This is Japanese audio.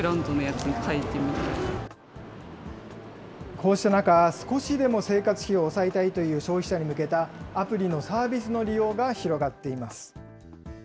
こうした中、少しでも生活費を抑えたたいという消費者に向けたアプリのサービスの利用が広がっています。